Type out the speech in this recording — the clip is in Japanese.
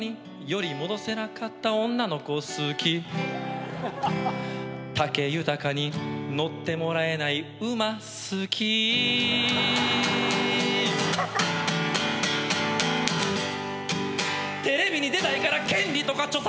「より戻せなかった女の子好き」「武豊に乗ってもらえない馬好き」「テレビに出たいから権利とか著作権」